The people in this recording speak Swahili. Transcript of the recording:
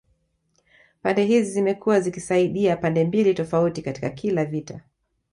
Pande hizi zimekuwa zikisaidia pande mbili tofauti katika kila vita